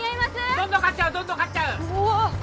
どんどん刈っちゃうどんどん刈っちゃううわっ！